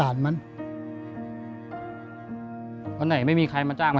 บ้านครับพวกเสามันเล็กปูลมมาอะไรมากลัวมันจะโคลนครับ